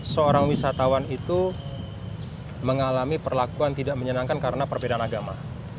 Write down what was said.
seorang wisatawan itu mengalami perlakuan tidak menyenangkan karena perbedaan agama